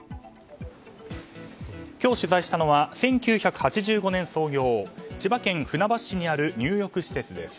今日、取材したのは１９８５年創業千葉県船橋市にある入浴施設です。